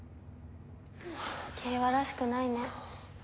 景和らしくないね。